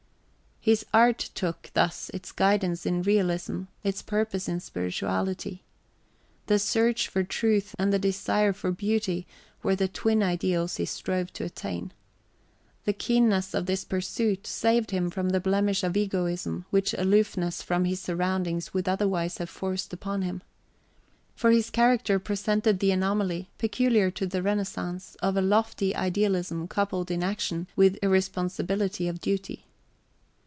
His art took, thus, its guidance in realism, its purpose in spirituality. The search for truth and the desire for beauty were the twin ideals he strove to attain. The keenness of this pursuit saved him from the blemish of egoism which aloofness from his surroundings would otherwise have forced upon him. For his character presented the anomaly, peculiar to the Renaissance, of a lofty idealism coupled in action with {xxi} irresponsibility of duty.